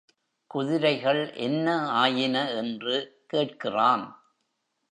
குதிரைகள் என்ன ஆயின என்று கேட்கிறான்.